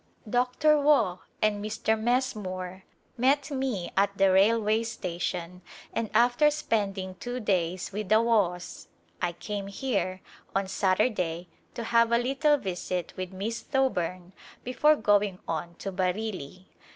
Dr. Waugh and Mr. Messmore met me at the railway station and after spending two days with the Waughs I came here on Saturday to have a little visit with Miss Thoburn before going on to Bareilly.